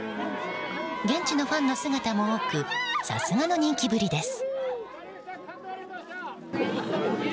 現地のファンの姿も多くさすがの人気ぶりです。